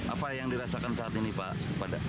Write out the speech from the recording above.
apa yang dirasakan saat ini pak